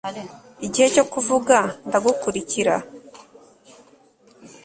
Igihe cyo kuvuga Ndagukurikira